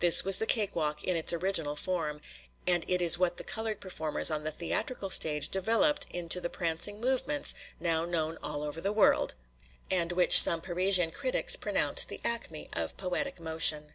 This was the cake walk in its original form, and it is what the colored performers on the theatrical stage developed into the prancing movements now known all over the world, and which some Parisian critics pronounced the acme of poetic motion.